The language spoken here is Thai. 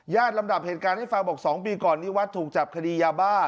ลำดับเหตุการณ์ให้ฟังบอก๒ปีก่อนนี้วัดถูกจับคดียาบ้า